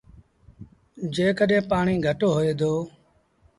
جيڪڏهين پآڻيٚ گھٽ هوئي دو۔